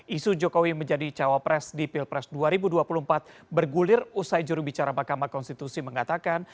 isu jokowi menjadi cawapres di pilpres dua ribu dua puluh empat bergulir usai jurubicara mahkamah konstitusi mengatakan